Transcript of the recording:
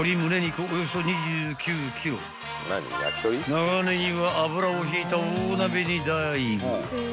［長ネギは油をひいた大鍋にダイブ］